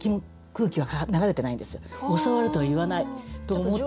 「教わる」とは言わないと思っちゃったの。